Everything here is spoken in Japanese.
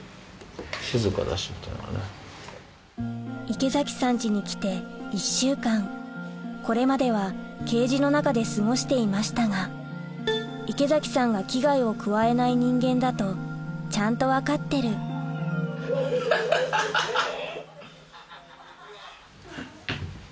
池崎さん家に来て１週間これまではケージの中で過ごしていましたが池崎さんが危害を加えない人間だとちゃんと分かってるハハハハハ！